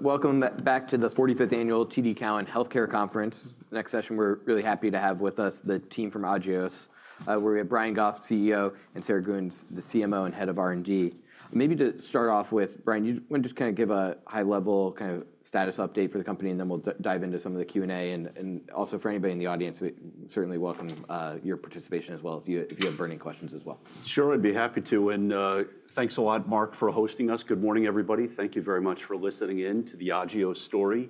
Welcome back to the 45th Annual TD Cowen Healthcare Conference. Next session, we're really happy to have with us the team from Agios. We're with Brian Goff, CEO, and Sarah Gheuens, the CMO and head of R&D. Maybe to start off with, Brian, you want to just kind of give a high-level kind of status update for the company, and then we'll dive into some of the Q&A, and also, for anybody in the audience, we certainly welcome your participation as well if you have burning questions as well. Sure, I'd be happy to. And thanks a lot, Mark, for hosting us. Good morning, everybody. Thank you very much for listening in to the Agios story.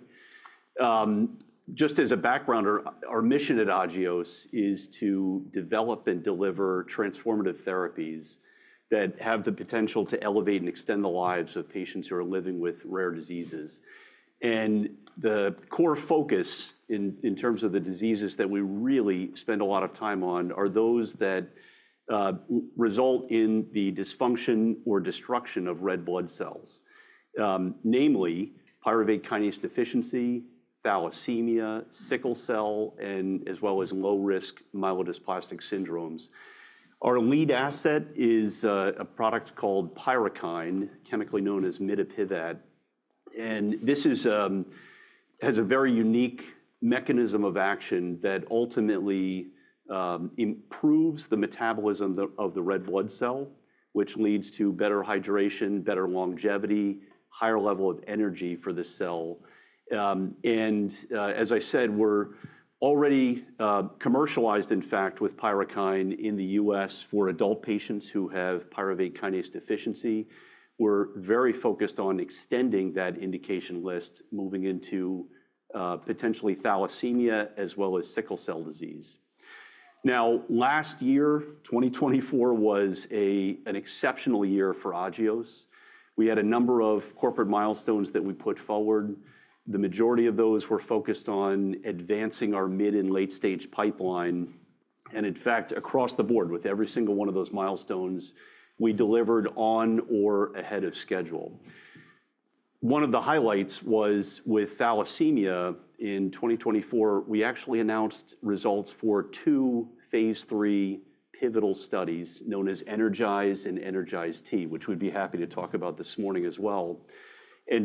Just as a background, our mission at Agios is to develop and deliver transformative therapies that have the potential to elevate and extend the lives of patients who are living with rare diseases. And the core focus, in terms of the diseases that we really spend a lot of time on, are those that result in the dysfunction or destruction of red blood cells, namely pyruvate kinase deficiency, thalassemia, Sickle Cell, and as well as low-risk myelodysplastic syndromes. Our lead asset is a product called PYRUKYND, chemically known as mitapivat. And this has a very unique mechanism of action that ultimately improves the metabolism of the red blood cell, which leads to better hydration, better longevity, and a higher level of energy for the cell. And as I said, we're already commercialized, in fact, with PYRUKYND in the U.S. for adult patients who have pyruvate kinase deficiency. We're very focused on extending that indication list, moving into potentially thalassemia as well as sickle cell disease. Now, last year, 2024, was an exceptional year for Agios. We had a number of corporate milestones that we put forward. The majority of those were focused on advancing our mid and late-stage pipeline. And in fact, across the board, with every single one of those milestones, we delivered on or ahead of schedule. One of the highlights was with thalassemia in 2024. We actually announced results for two phase III pivotal studies known as ENERGIZE and ENERGIZE-T, which we'd be happy to talk about this morning as well.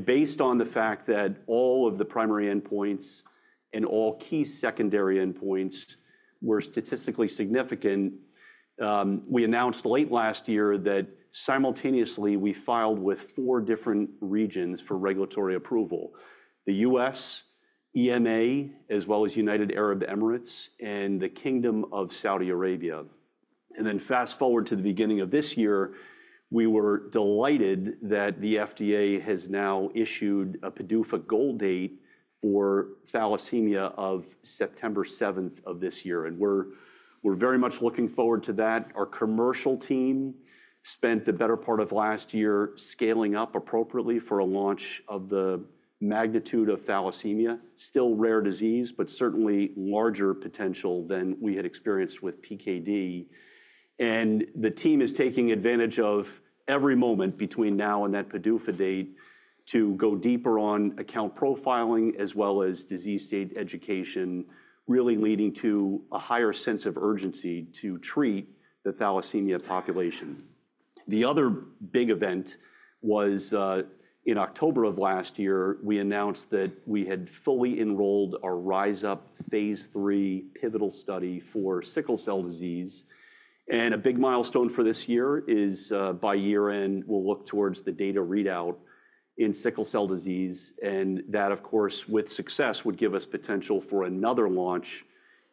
Based on the fact that all of the primary endpoints and all key secondary endpoints were statistically significant, we announced late last year that simultaneously we filed with four different regions for regulatory approval: the U.S., EMA, as well as the United Arab Emirates, and the Kingdom of Saudi Arabia. Fast forward to the beginning of this year, we were delighted that the FDA has now issued a PDUFA goal date for thalassemia of September 7th of this year. We're very much looking forward to that. Our commercial team spent the better part of last year scaling up appropriately for a launch of the magnitude of thalassemia, still a rare disease, but certainly larger potential than we had experienced with PKD. And the team is taking advantage of every moment between now and that PDUFA date to go deeper on account profiling as well as disease state education, really leading to a higher sense of urgency to treat the thalassemia population. The other big event was in October of last year, we announced that we had fully enrolled our RISE UP phase III pivotal study for sickle cell disease. And a big milestone for this year is by year-end, we'll look towards the data readout in sickle cell disease. And that, of course, with success, would give us potential for another launch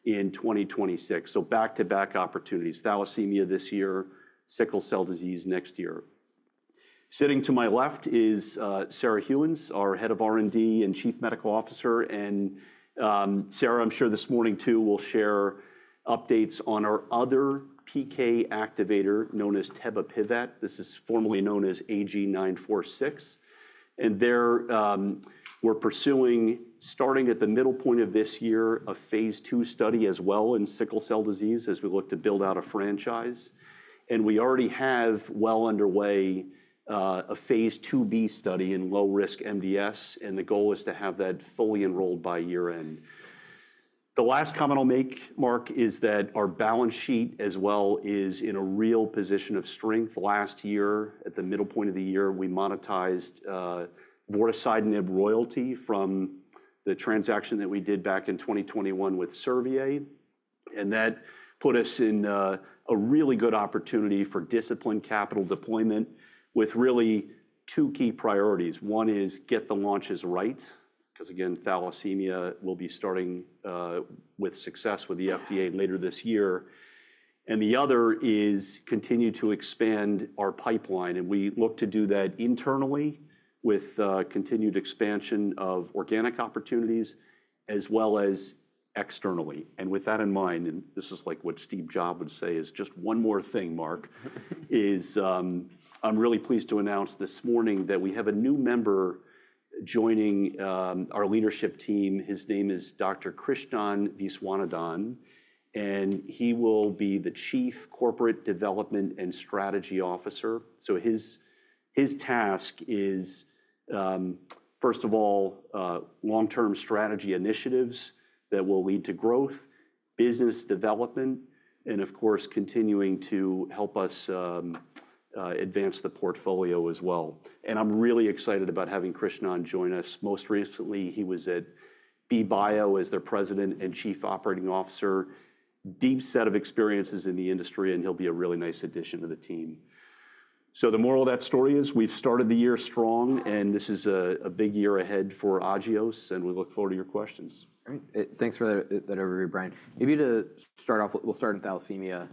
in 2026. So back-to-back opportunities. thalassemia this year, sickle cell disease next year. Sitting to my left is Sarah Gheuens, our Head of R&D and Chief Medical Officer. Sarah, I'm sure this morning too, will share updates on our other PK activator known as tebapivat. This is formally known as AG-946. There we're pursuing, starting at the middle point of this year, a phase II study as well in sickle cell disease as we look to build out a franchise. We already have well underway a phase II-B study in low-risk MDS. The goal is to have that fully enrolled by year-end. The last comment I'll make, Mark, is that our balance sheet as well is in a real position of strength. Last year, at the middle point of the year, we monetized vorasidenib royalty from the transaction that we did back in 2021 with Servier. And that put us in a really good opportunity for disciplined capital deployment with really two key priorities. One is get the launches right, because again, thalassemia will be starting with success with the FDA later this year, and the other is continue to expand our pipeline. And we look to do that internally with continued expansion of organic opportunities as well as externally. And with that in mind, and this is like what Steve Jobs would say, is just one more thing, Mark, is I'm really pleased to announce this morning that we have a new member joining our leadership team. His name is Dr. Krishnan Viswanadhan, and he will be the Chief Corporate Development and Strategy Officer. So his task is, first of all, long-term strategy initiatives that will lead to growth, business development, and of course, continuing to help us advance the portfolio as well. And I'm really excited about having Krishnan join us. Most recently, he was at Be Biopharma as their President and Chief Operating Officer, deep set of experiences in the industry, and he'll be a really nice addition to the team. So the moral of that story is we've started the year strong, and this is a big year ahead for Agios, and we look forward to your questions. All right. Thanks for that overview, Brian. Maybe to start off, we'll start in thalassemia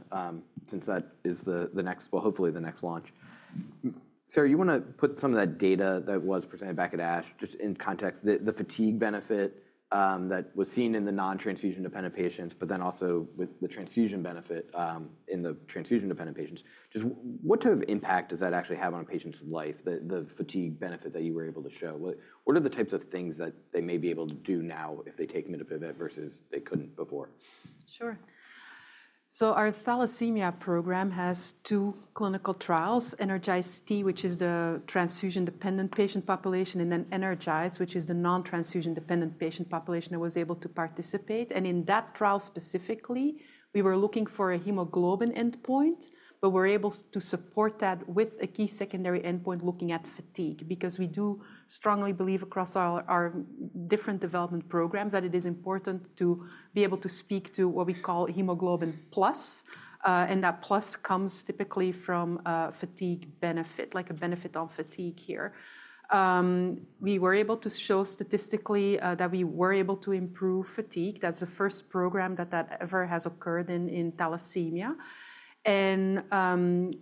since that is the next, well, hopefully the next launch. Sarah, you want to put some of that data that was presented back at ASH just in context, the fatigue benefit that was seen in the non-transfusion dependent patients, but then also with the transfusion benefit in the transfusion dependent patients. Just what type of impact does that actually have on a patient's life, the fatigue benefit that you were able to show? What are the types of things that they may be able to do now if they take mitapivat versus they couldn't before? Sure, so our thalassemia program has two clinical trials: ENERGIZE-T, which is the transfusion-dependent patient population, and then ENERGIZE, which is the non-transfusion-dependent patient population that was able to participate, and in that trial specifically, we were looking for a hemoglobin endpoint, but we're able to support that with a key secondary endpoint looking at fatigue, because we do strongly believe across our different development programs that it is important to be able to speak to what we call hemoglobin plus, and that plus comes typically from fatigue benefit, like a benefit on fatigue here. We were able to show statistically that we were able to improve fatigue. That's the first program that ever has occurred in thalassemia, and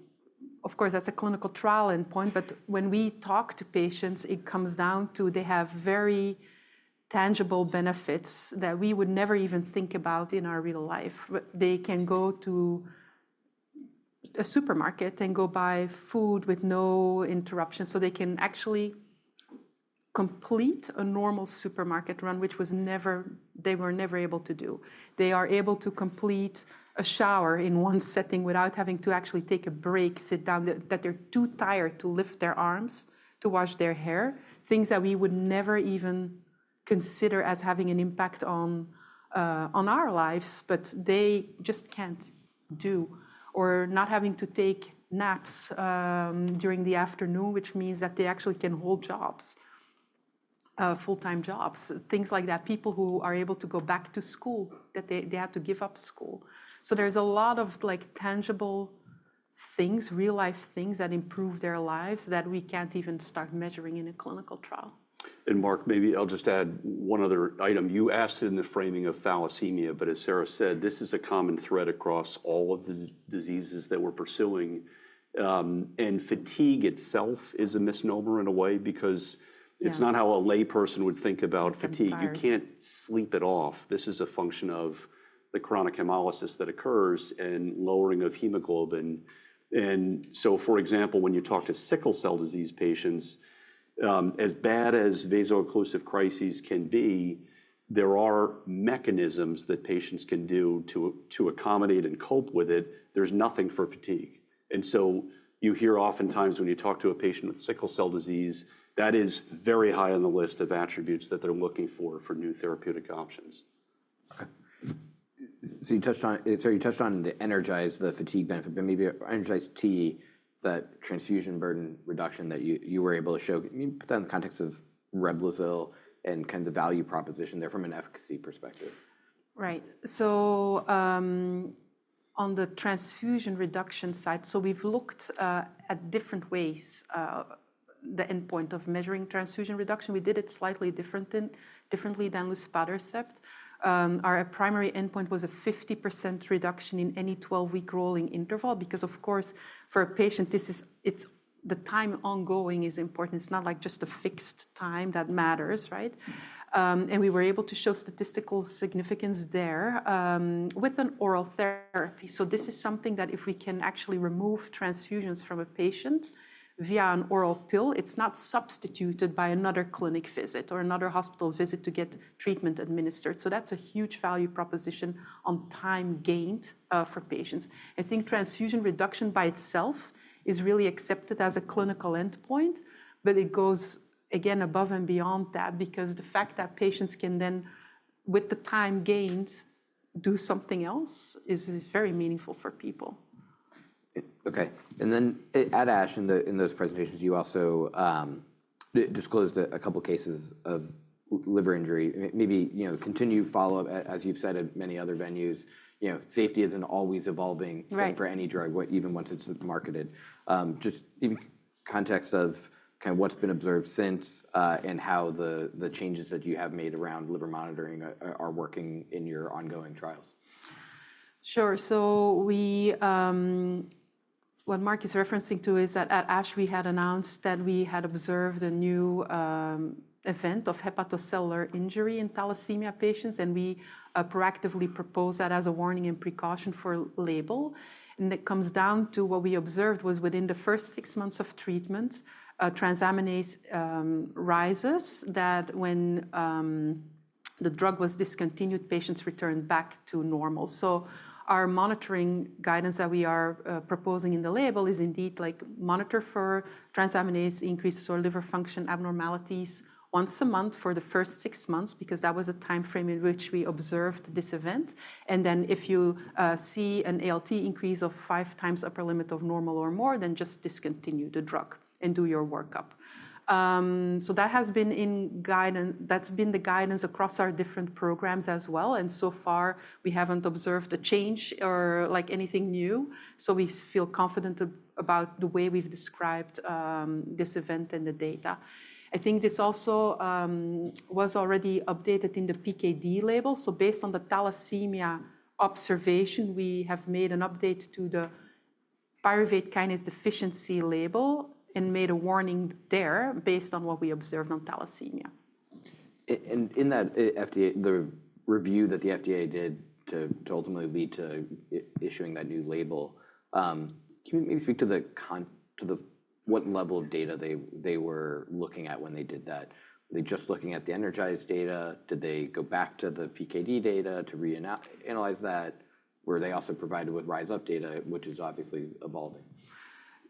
of course, that's a clinical trial endpoint. But when we talk to patients, it comes down to they have very tangible benefits that we would never even think about in our real life. They can go to a supermarket and go buy food with no interruption. So they can actually complete a normal supermarket run, which they were never able to do. They are able to complete a shower in one setting without having to actually take a break, sit down, that they're too tired to lift their arms to wash their hair, things that we would never even consider as having an impact on our lives, but they just can't do, or not having to take naps during the afternoon, which means that they actually can hold jobs, full-time jobs, things like that, people who are able to go back to school, that they had to give up school. There's a lot of tangible things, real-life things that improve their lives that we can't even start measuring in a clinical trial. Mark, maybe I'll just add one other item. You asked it in the framing of thalassemia, but as Sarah said, this is a common thread across all of the diseases that we're pursuing. Fatigue itself is a misnomer in a way, because it's not how a layperson would think about fatigue. You can't sleep it off. This is a function of the chronic hemolysis that occurs and lowering of hemoglobin. For example, when you talk to sickle cell disease patients, as bad as vaso-occlusive crises can be, there are mechanisms that patients can do to accommodate and cope with it. There's nothing for fatigue. You hear oftentimes when you talk to a patient with sickle cell disease, that is very high on the list of attributes that they're looking for new therapeutic options. Okay. So you touched on, sorry, you touched on the ENERGIZE, the fatigue benefit, but maybe ENERGIZE-T, that transfusion burden reduction that you were able to show. Can you put that in the context of Reblozyl and kind of the value proposition there from an efficacy perspective? Right. So on the transfusion reduction side, so we've looked at different ways, the endpoint of measuring transfusion reduction. We did it slightly differently than with luspatercept. Our primary endpoint was a 50% reduction in any 12 week rolling interval, because of course, for a patient, the time ongoing is important. It's not like just a fixed time that matters, right? And we were able to show statistical significance there with an oral therapy. So this is something that if we can actually remove transfusions from a patient via an oral pill, it's not substituted by another clinic visit or another hospital visit to get treatment administered. So that's a huge value proposition on time gained for patients. I think transfusion reduction by itself is really accepted as a clinical endpoint, but it goes again above and beyond that, because the fact that patients can then, with the time gained, do something else is very meaningful for people. Okay. And then at ASH, in those presentations, you also disclosed a couple of cases of liver injury, maybe continued follow-up, as you've said at many other venues. Safety is an always evolving thing for any drug, even once it's marketed. Just maybe context of kind of what's been observed since and how the changes that you have made around liver monitoring are working in your ongoing trials. Sure. So what Mark is referencing to is that at ASH, we had announced that we had observed a new event of hepatocellular injury in thalassemia patients. And we proactively proposed that as a warning and precaution for label. And it comes down to what we observed was within the first six months of treatment, transaminase rises, that when the drug was discontinued, patients returned back to normal. So our monitoring guidance that we are proposing in the label is indeed like monitor for transaminase increases or liver function abnormalities once a month for the first six months, because that was a time frame in which we observed this event. And then if you see an ALT increase of five times upper limit of normal or more, then just discontinue the drug and do your workup. So that has been in guidance, that's been the guidance across our different programs as well. And so far, we haven't observed a change or like anything new. So we feel confident about the way we've described this event and the data. I think this also was already updated in the PKD label. So based on the thalassemia observation, we have made an update to the pyruvate kinase deficiency label and made a warning there based on what we observed on thalassemia. And in that FDA, the review that the FDA did to ultimately lead to issuing that new label, can you maybe speak to what level of data they were looking at when they did that? Were they just looking at the Energize data? Did they go back to the PKD data to reanalyze that? Were they also provided with RISE UP data, which is obviously evolving?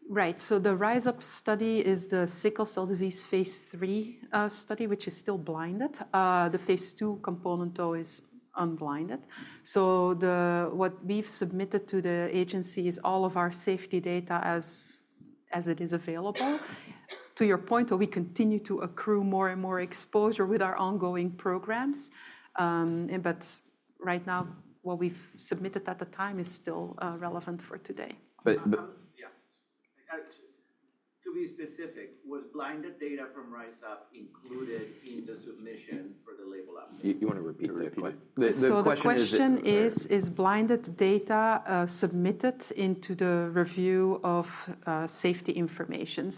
Right. So the RISE UP study is the sickle cell disease phase III study, which is still blinded. The phase II component though is unblinded. So what we've submitted to the agency is all of our safety data as it is available. To your point, we continue to accrue more and more exposure with our ongoing programs. But right now, what we've submitted at the time is still relevant for today. But yeah. To be specific, was blinded data from RISE UP included in the submission for the label update? You want to repeat it if you want. The question is, is blinded data submitted into the review of safety information?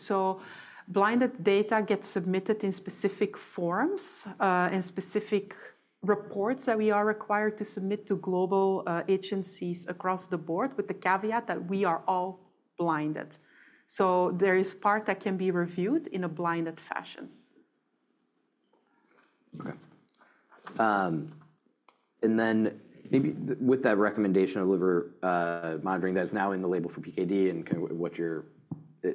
Blinded data gets submitted in specific forms and specific reports that we are required to submit to global agencies across the board with the caveat that we are all blinded. There is part that can be reviewed in a blinded fashion. Okay. And then maybe with that recommendation of liver monitoring that is now in the label for PKD and kind of what you're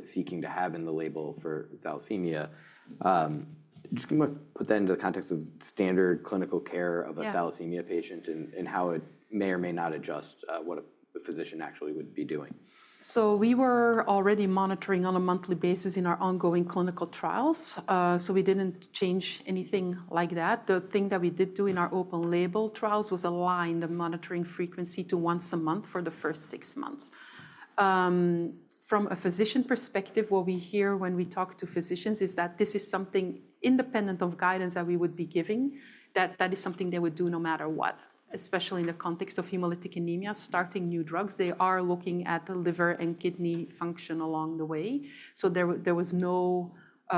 seeking to have in the label for thalassemia, just put that into the context of standard clinical care of a thalassemia patient and how it may or may not adjust what a physician actually would be doing. So we were already monitoring on a monthly basis in our ongoing clinical trials. So we didn't change anything like that. The thing that we did do in our open label trials was align the monitoring frequency to once a month for the first six months. From a physician perspective, what we hear when we talk to physicians is that this is something independent of guidance that we would be giving, that that is something they would do no matter what, especially in the context of hemolytic anemia, starting new drugs. They are looking at the liver and kidney function along the way. So there was no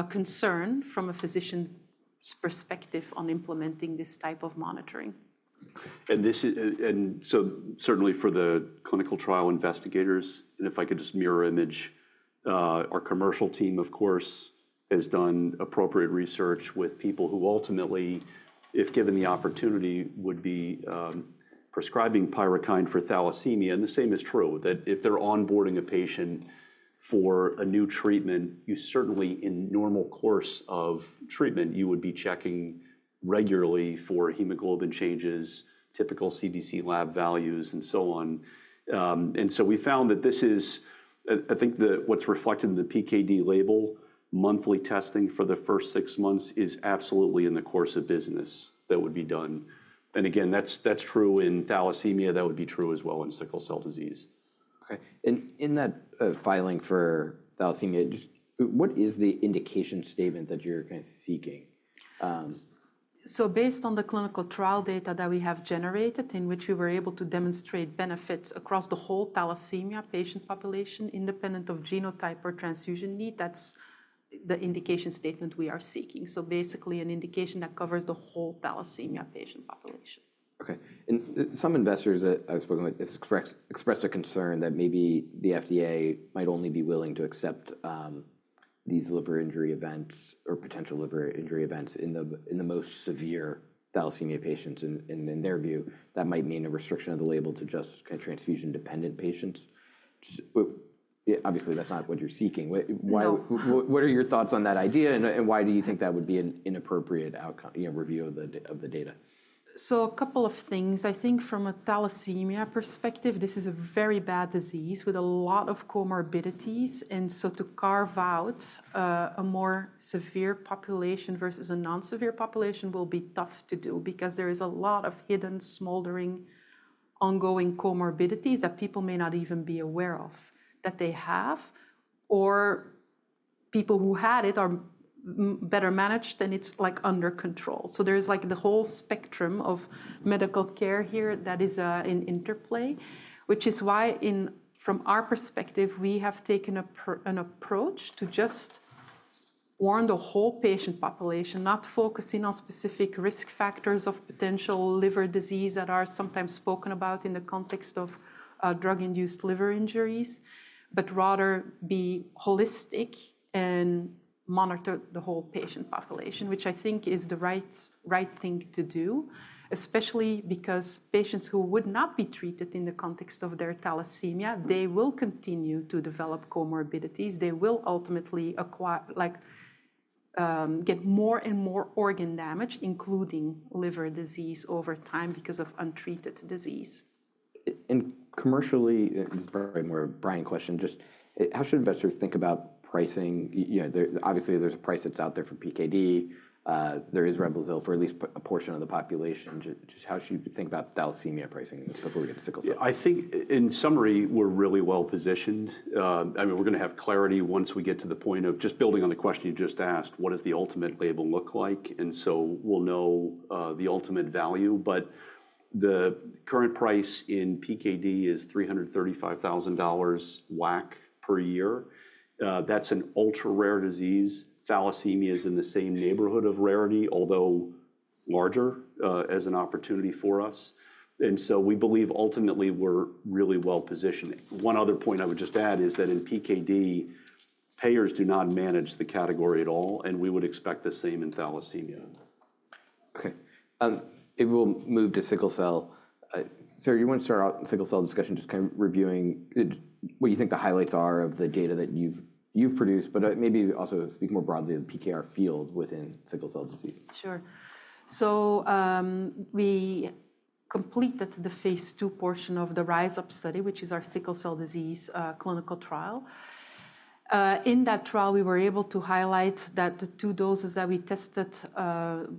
concern from a physician's perspective on implementing this type of monitoring. And so certainly for the clinical trial investigators, and if I could just mirror image, our commercial team, of course, has done appropriate research with people who ultimately, if given the opportunity, would be prescribing PYRUKYND for thalassemia. And the same is true that if they're onboarding a patient for a new treatment, you certainly in normal course of treatment, you would be checking regularly for hemoglobin changes, typical CBC lab values, and so on. And so we found that this is, I think what's reflected in the PKD label, monthly testing for the first six months is absolutely in the course of business that would be done. And again, that's true in thalassemia. That would be true as well in sickle cell disease. Okay, and in that filing for thalassemia, what is the indication statement that you're kind of seeking? So based on the clinical trial data that we have generated in which we were able to demonstrate benefits across the whole thalassemia patient population, independent of genotype or transfusion need, that's the indication statement we are seeking. So basically an indication that covers the whole thalassemia patient population. Okay. And some investors that I've spoken with expressed a concern that maybe the FDA might only be willing to accept these liver injury events or potential liver injury events in the most severe thalassemia patients. And in their view, that might mean a restriction of the label to just kind of transfusion dependent patients. Obviously, that's not what you're seeking. What are your thoughts on that idea? And why do you think that would be an inappropriate review of the data? So a couple of things. I think from a thalassemia perspective, this is a very bad disease with a lot of comorbidities. And so to carve out a more severe population versus a non-severe population will be tough to do because there is a lot of hidden, smoldering, ongoing comorbidities that people may not even be aware of that they have, or people who had it are better managed and it's like under control. So there is like the whole spectrum of medical care here that is in interplay, which is why from our perspective, we have taken an approach to just warn the whole patient population, not focusing on specific risk factors of potential liver disease that are sometimes spoken about in the context of drug-induced liver injuries, but rather be holistic and monitor the whole patient population, which I think is the right thing to do, especially because patients who would not be treated in the context of their thalassemia, they will continue to develop comorbidities. They will ultimately get more and more organ damage, including liver disease over time because of untreated disease. Commercially, this is probably more a Brian question, just how should investors think about pricing? Obviously, there's a price that's out there for PKD. There is Reblozyl for at least a portion of the population. Just how should you think about thalassemia pricing for people who get sickle cell? I think in summary, we're really well positioned. I mean, we're going to have clarity once we get to the point of just building on the question you just asked, what does the ultimate label look like? And so we'll know the ultimate value. But the current price in PKD is $335,000 WAC per year. That's an ultra-rare disease. thalassemia is in the same neighborhood of rarity, although larger as an opportunity for us. And so we believe ultimately we're really well positioned. One other point I would just add is that in PKD, payers do not manage the category at all, and we would expect the same in thalassemia. Okay. It will move to Sickle Cell. Sarah, you want to start out Sickle Cell discussion, just kind of reviewing what you think the highlights are of the data that you've produced, but maybe also speak more broadly of the PKR field within sickle cell disease. Sure. We completed the phase II portion of the RISE UP study, which is our sickle cell disease clinical trial. In that trial, we were able to highlight that the two doses that we tested,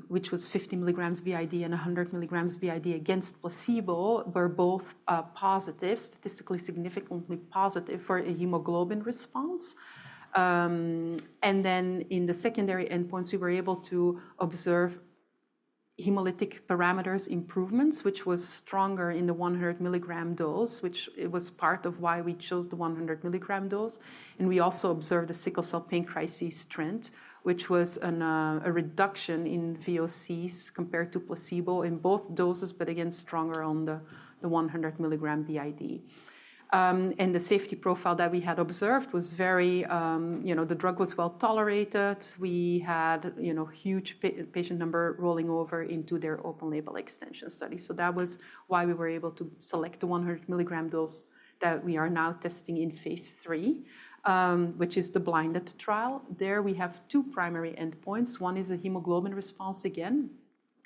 which was 50 mg B.I.D. and 100 mg B.I.D. against placebo, were both positive, statistically significantly positive for a hemoglobin response. And then in the secondary endpoints, we were able to observe hemolytic parameters improvements, which was stronger in the 100 mg dose, which was part of why we chose the 100 mg dose. And we also observed the sickle cell pain crisis trend, which was a reduction in VOCs compared to placebo in both doses, but again, stronger on the 100 mg B.I.D. And the safety profile that we had observed was very, the drug was well tolerated. We had a huge patient number rolling over into their open label extension study. So that was why we were able to select the 100 mg dose that we are now testing in phase III, which is the blinded trial. There we have two primary endpoints. One is a hemoglobin response again,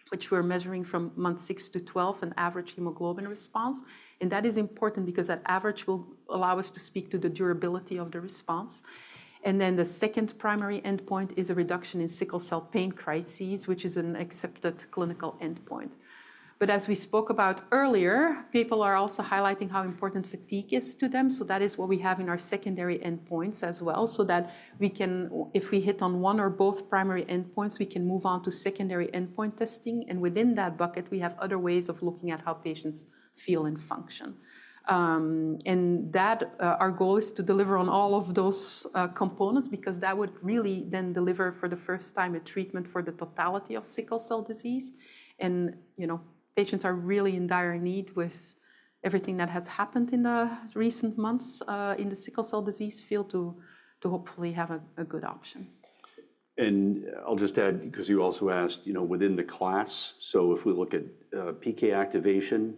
which we're measuring from month six to 12, an average hemoglobin response. And that is important because that average will allow us to speak to the durability of the response. And then the second primary endpoint is a reduction in sickle cell pain crisis, which is an accepted clinical endpoint. But as we spoke about earlier, people are also highlighting how important fatigue is to them. So that is what we have in our secondary endpoints as well, so that we can, if we hit on one or both primary endpoints, we can move on to secondary endpoint testing. And within that bucket, we have other ways of looking at how patients feel and function. Our goal is to deliver on all of those components because that would really then deliver for the first time a treatment for the totality of sickle cell disease. Patients are really in dire need with everything that has happened in the recent months in the sickle cell disease field to hopefully have a good option. And I'll just add, because you also asked, within the class, so if we look at PK activation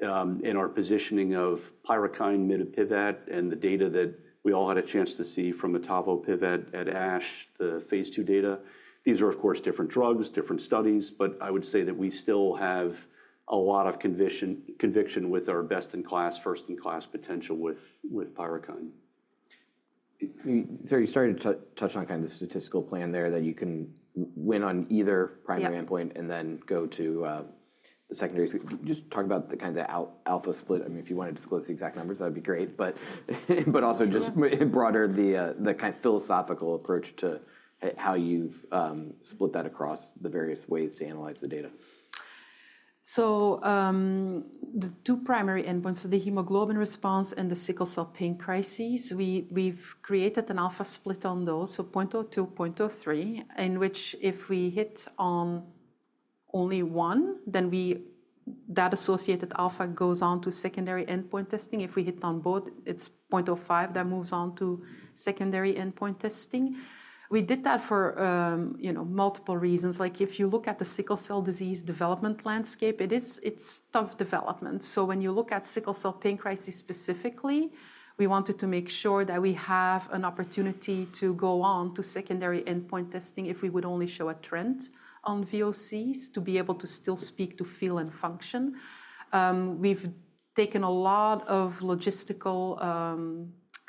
and our positioning of PYRUKYND, mitapivat, and the data that we all had a chance to see from Tebapivat at ASH, the phase II data, these are of course different drugs, different studies, but I would say that we still have a lot of conviction with our best in class, first in class potential with PYRUKYND. Sarah, you started to touch on kind of the statistical plan there that you can win on either primary endpoint and then go to the secondary. Just talk about the kind of alpha split. I mean, if you want to disclose the exact numbers, that would be great. But also just the broader kind of philosophical approach to how you've split that across the various ways to analyze the data. So the two primary endpoints, so the hemoglobin response and the sickle cell pain crisis, we've created an alpha split on those, so 0.02, 0.03, in which if we hit on only one, then that associated alpha goes on to secondary endpoint testing. If we hit on both, it's 0.05 that moves on to secondary endpoint testing. We did that for multiple reasons. Like if you look at the sickle cell disease development landscape, it's tough development. So when you look at sickle cell pain crisis specifically, we wanted to make sure that we have an opportunity to go on to secondary endpoint testing if we would only show a trend on VOCs to be able to still speak to feel and function. We've taken a lot of logistical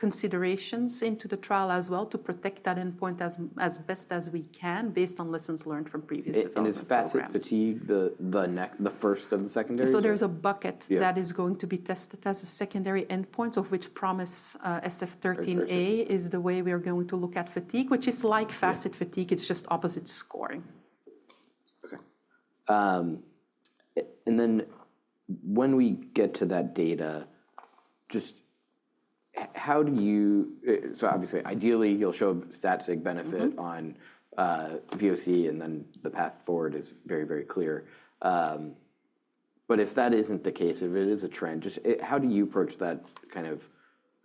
considerations into the trial as well to protect that endpoint as best as we can based on lessons learned from previous development. Is FACIT-Fatigue the first of the secondary? There's a bucket that is going to be tested as a secondary endpoint, of which PROMIS SF13a is the way we are going to look at fatigue, which is like FACIT-Fatigue. It's just opposite scoring. Okay. And then when we get to that data, just how do you, so obviously ideally you'll show a statistical benefit on VOC and then the path forward is very, very clear. But if that isn't the case, if it is a trend, just how do you approach that kind of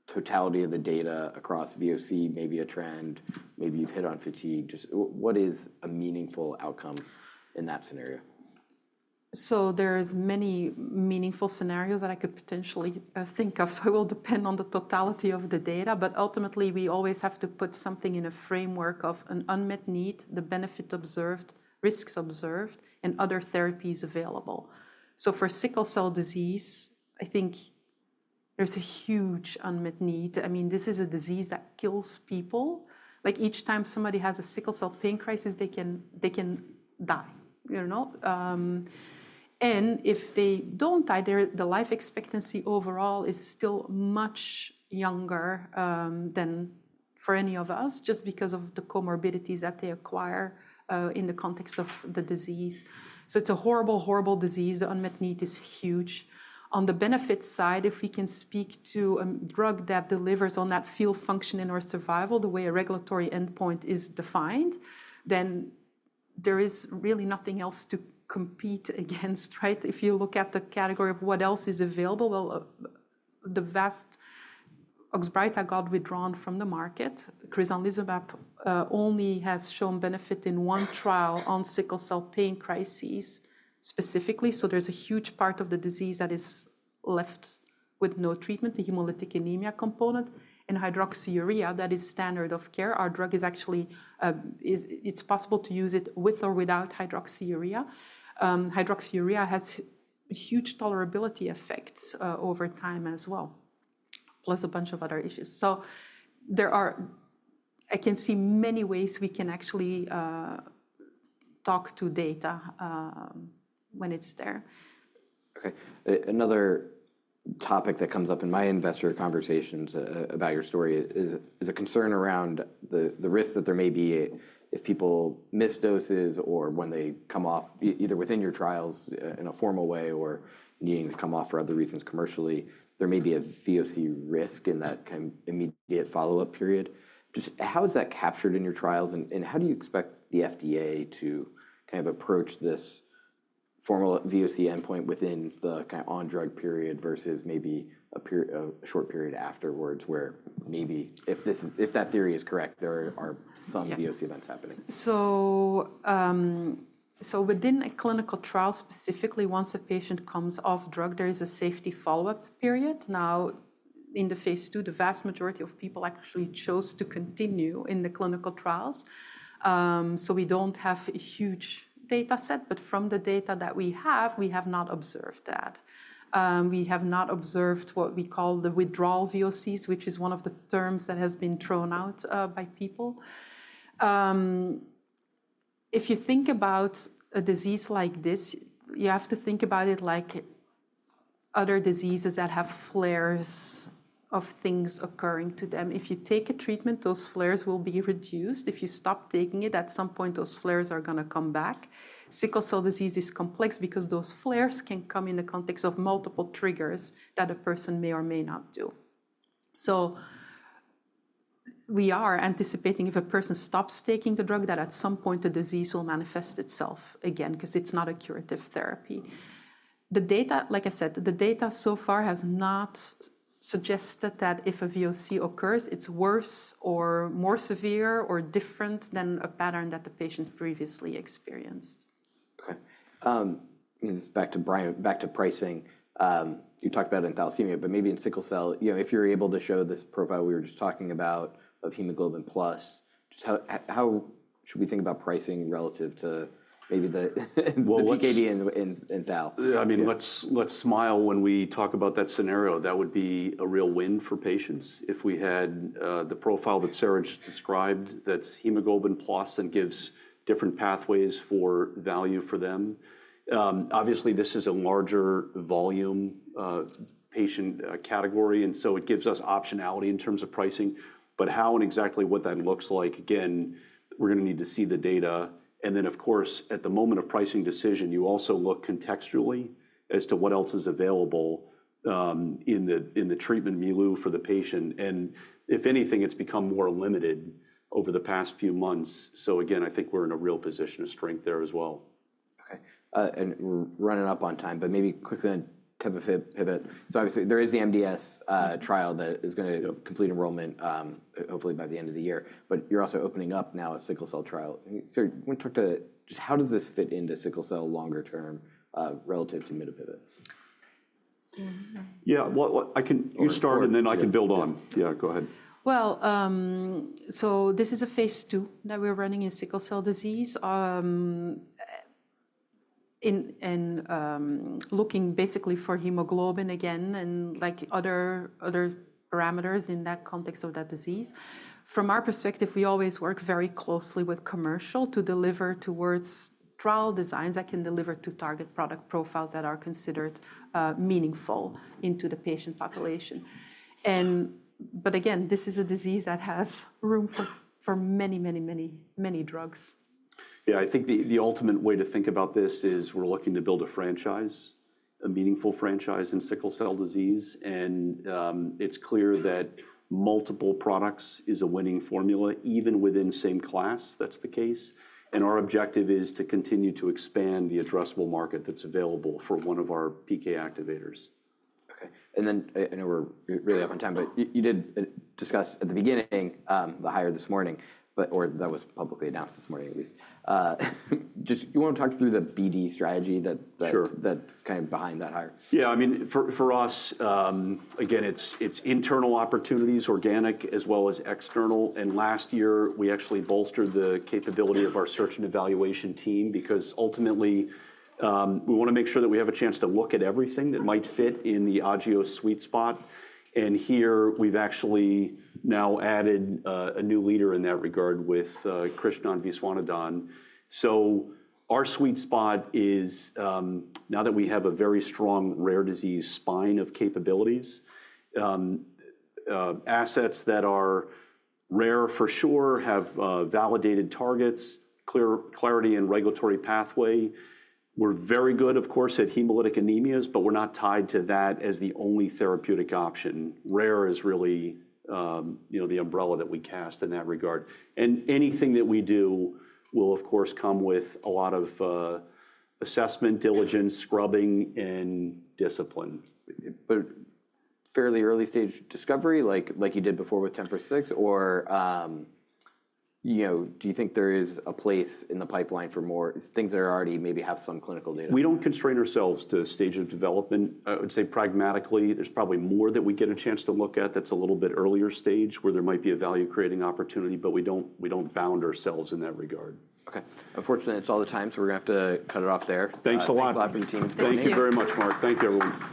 totality of the data across VOC, maybe a trend, maybe you've hit on fatigue, just what is a meaningful outcome in that scenario? So there are many meaningful scenarios that I could potentially think of. So it will depend on the totality of the data, but ultimately we always have to put something in a framework of an unmet need, the benefit observed, risks observed, and other therapies available. So for sickle cell disease, I think there's a huge unmet need. I mean, this is a disease that kills people. Like each time somebody has a sickle cell pain crisis, they can die. And if they don't die, the life expectancy overall is still much younger than for any of us, just because of the comorbidities that they acquire in the context of the disease. So it's a horrible, horrible disease. The unmet need is huge. On the benefit side, if we can speak to a drug that delivers on that field function in our survival the way a regulatory endpoint is defined, then there is really nothing else to compete against, right? If you look at the category of what else is available, well, the Oxbryta it got withdrawn from the market. Crizanlizumab only has shown benefit in one trial on sickle cell pain crisis specifically. So there's a huge part of the disease that is left with no treatment, the hemolytic anemia component, and hydroxyurea that is standard of care. Our drug is actually, it's possible to use it with or without hydroxyurea. Hydroxyurea has huge tolerability effects over time as well, plus a bunch of other issues. So there are, I can see many ways we can actually talk to data when it's there. Okay. Another topic that comes up in my investor conversations about your story is a concern around the risk that there may be if people miss doses or when they come off, either within your trials in a formal way or needing to come off for other reasons commercially. There may be a VOC risk in that kind of immediate follow-up period. Just how is that captured in your trials and how do you expect the FDA to kind of approach this formal VOC endpoint within the kind of on-drug period versus maybe a short period afterwards where maybe if that theory is correct, there are some VOC events happening? So within a clinical trial specifically, once a patient comes off drug, there is a safety follow-up period. Now in the phase two, the vast majority of people actually chose to continue in the clinical trials. So we don't have a huge data set, but from the data that we have, we have not observed that. We have not observed what we call the withdrawal VOCs, which is one of the terms that has been thrown out by people. If you think about a disease like this, you have to think about it like other diseases that have flares of things occurring to them. If you take a treatment, those flares will be reduced. If you stop taking it, at some point those flares are going to come back. sickle cell disease is complex because those flares can come in the context of multiple triggers that a person may or may not do. So we are anticipating if a person stops taking the drug, that at some point the disease will manifest itself again because it's not a curative therapy. The data, like I said, the data so far has not suggested that if a VOC occurs, it's worse or more severe or different than a pattern that the patient previously experienced. Okay. This is back to Brian, back to pricing. You talked about it in thalassemia, but maybe in sickle cell, if you're able to show this profile we were just talking about of hemoglobin plus, just how should we think about pricing relative to maybe the PKD and Thal? I mean, let's smile when we talk about that scenario. That would be a real win for patients if we had the profile that Sarah just described that's hemoglobin plus and gives different pathways for value for them. Obviously, this is a larger volume patient category, and so it gives us optionality in terms of pricing. But how and exactly what that looks like, again, we're going to need to see the data. And then of course, at the moment of pricing decision, you also look contextually as to what else is available in the treatment milieu for the patient. And if anything, it's become more limited over the past few months. So again, I think we're in a real position of strength there as well. Okay. And we're running up on time, but maybe quickly on tebapivat. So obviously there is the MDS trial that is going to complete enrollment hopefully by the end of the year, but you're also opening up now a sickle cell trial. Sarah, you want to talk to just how does this fit into sickle cell longer term relative to mitapivat? Yeah, I can start and then I can build on. Yeah, go ahead. This is a phase II that we're running in sickle cell disease and looking basically for hemoglobin again and like other parameters in that context of that disease. From our perspective, we always work very closely with commercial to deliver towards trial designs that can deliver to target product profiles that are considered meaningful into the patient population. Again, this is a disease that has room for many, many, many, many drugs. Yeah, I think the ultimate way to think about this is we're looking to build a franchise, a meaningful franchise in sickle cell disease. And it's clear that multiple products is a winning formula, even within same class, that's the case. And our objective is to continue to expand the addressable market that's available for one of our PK activators. Okay. And then I know we're really up on time, but you did discuss at the beginning the hire this morning, or that was publicly announced this morning at least. Just you want to talk through the BD strategy that's kind of behind that hire? Yeah, I mean, for us, again, it's internal opportunities, organic as well as external. And last year, we actually bolstered the capability of our search and evaluation team because ultimately we want to make sure that we have a chance to look at everything that might fit in the Agios sweet spot. And here we've actually now added a new leader in that regard with Krishnan Viswanathan. So our sweet spot is now that we have a very strong rare disease spine of capabilities, assets that are rare for sure, have validated targets, clarity in regulatory pathway. We're very good, of course, at hemolytic anemias, but we're not tied to that as the only therapeutic option. Rare is really the umbrella that we cast in that regard. And anything that we do will, of course, come with a lot of assessment, diligence, scrubbing, and discipline. But fairly early stage discovery like you did before with 10% or do you think there is a place in the pipeline for more things that are already maybe have some clinical data? We don't constrain ourselves to a stage of development. I would say pragmatically, there's probably more that we get a chance to look at that's a little bit earlier stage where there might be a value creating opportunity, but we don't bound ourselves in that regard. Okay. Unfortunately, it's all the time, so we're going to have to cut it off there. Thanks a lot. Thanks a lot. Thank you very much, Mark. Thank you, everyone.